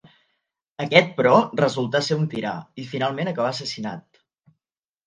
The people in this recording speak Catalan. Aquest, però, resultà ser un tirà i finalment acabà assassinat.